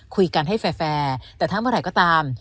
คุยกันให้แฟร์แต่ทั้งเมื่อไหร่ก็ตาม